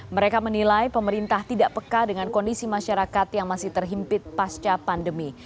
mereka menilai pemerintah tidak peka dengan kondisi masyarakat yang masih terhimpit pasca pandemi